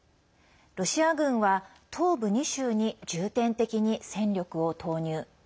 ロシア軍は東部２州に重点的に戦力を投入。